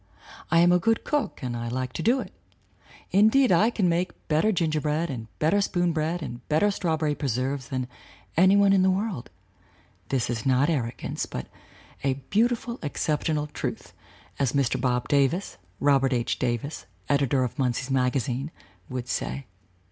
I am a good cook and like to do it; indeed I can make better gingerbread and better spoon bread and better strawberry preserves than any one in the world this is not arrogance, but a beautiful excep tional truth, as Mr. Bob Davis [Robert H. Davis, editor of Munsey's Magazine] would say.